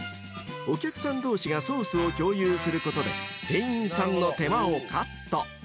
［お客さん同士がソースを共有することで店員さんの手間をカット］